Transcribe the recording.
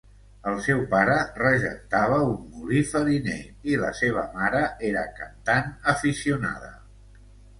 El seu pare regentava un molí fariner i la seva mare era cantant aficionada.